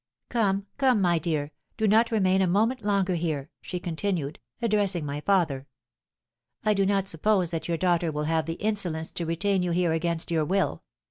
Come, come, my dear, do not remain a moment longer here!' she continued, addressing my father; 'I do not suppose that your daughter will have the insolence to retain you here against your will.'